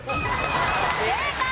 正解。